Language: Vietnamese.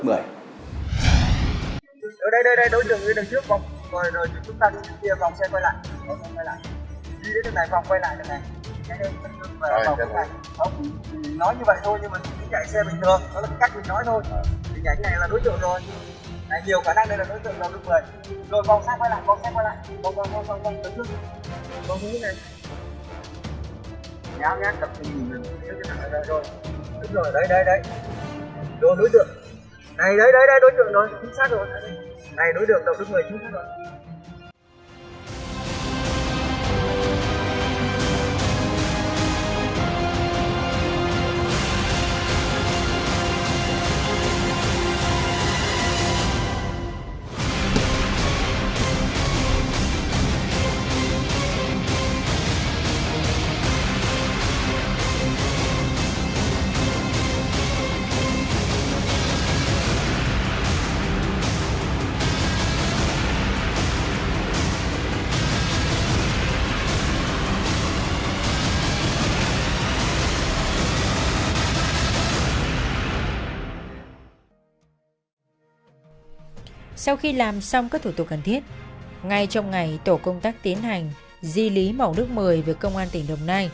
tôi nói như vậy thôi nhưng mình chạy xe bình thường